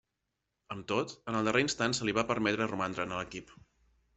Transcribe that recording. Amb tot, en el darrer instant, se li va permetre romandre en l'equip.